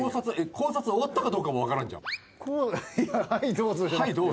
考察終わったかどうか分からんじゃん。